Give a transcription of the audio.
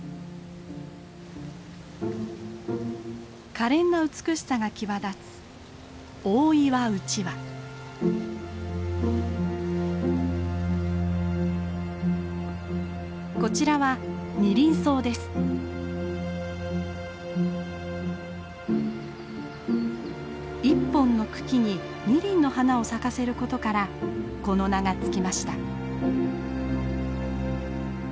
可憐な美しさが際立つこちらは１本の茎に２輪の花を咲かせることからこの名が付きました。